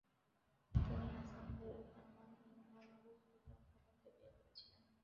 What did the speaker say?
তিনি হাসান বে-এর কন্যা নুরুম সুলতান খাতুনকে বিয়ে করেছিলেন।